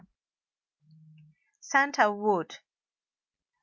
SANTAL WOOD.